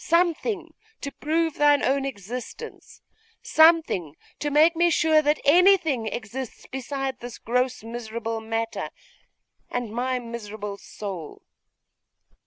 something to prove thine own existence something to make me sure that anything exists beside this gross miserable matter, and my miserable soul.